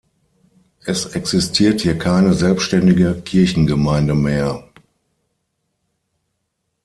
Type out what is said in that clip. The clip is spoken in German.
Es existiert hier keine selbständige Kirchengemeinde mehr.